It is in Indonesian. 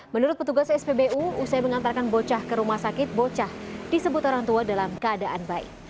menurut petugas spbu usai mengantarkan bocah ke rumah sakit bocah disebut orang tua dalam keadaan baik